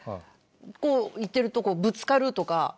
こういってるとこをぶつかるとか。